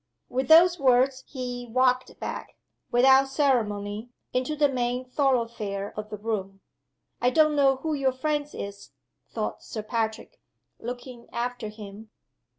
With those words he walked back, without ceremony, into the main thoroughfare of the room. "I don't know who your friend is," thought Sir Patrick, looking after him.